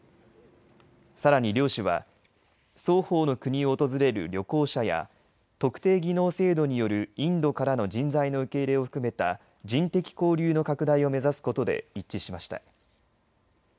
さらに両氏は双方の国を訪れる旅行者や特定技能制度によるインドからの人材の受け入れを含めた人的交流の拡大を目指すことで一致しました。